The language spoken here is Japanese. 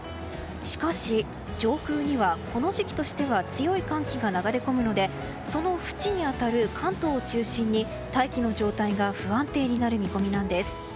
しかし、上空にはこの時期としては強い寒気が流れ込むのでそのふちに当たる関東を中心に大気の状態が不安定になる見込みなんです。